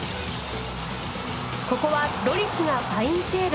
ここはロリスがファインセーブ。